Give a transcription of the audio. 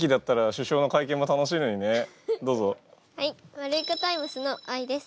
ワルイコタイムスのあいです。